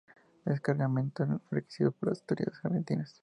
Este cargamento es requisado por las autoridades argentinas.